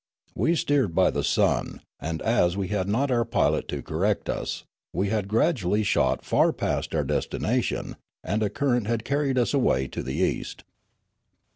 We steered by the sun; and, as we had not our pilot to correct us, we had gradually shot far past our destination, and a current had carried us away to the east.